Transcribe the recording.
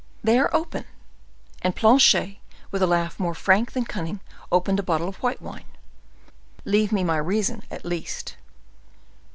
"They are open." And Planchet, with a laugh more frank than cunning, opened a bottle of white wine. "Leave me my reason, at least."